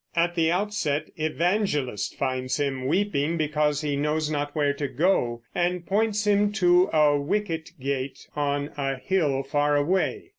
At the outset Evangelist finds him weeping because he knows not where to go, and points him to a wicket gate on a hill far away.